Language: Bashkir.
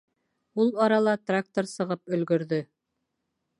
Ул арала трактор сығып өлгөрҙө.